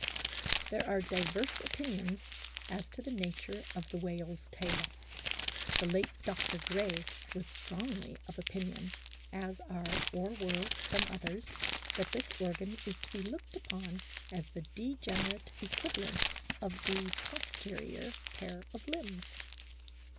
There are diverse opinions as to the nature of the whale's tail. The late Dr. Gray was strongly of opinion, as are or were some others, that this organ is to be looked upon as the degenerate equivalent of the posterior pair of limbs.